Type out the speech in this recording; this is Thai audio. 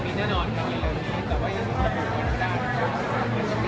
มีแน่นอนครับเรียกเรื่องนี้แต่ว่ายังมีความสุขกับเขาไม่ได้